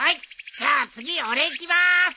じゃあ次俺いきまーす。